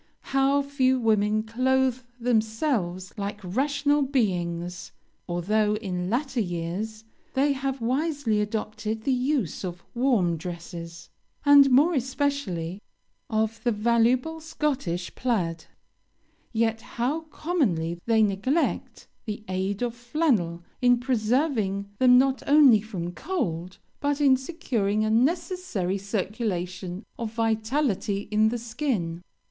How few women clothe themselves like rational beings! Although, in latter years, they have wisely adopted the use of warm dresses, and, more especially, of the valuable Scottish plaid, yet how commonly they neglect the aid of flannel in preserving them not only from cold, but in securing a necessary circulation of vitality in the skin!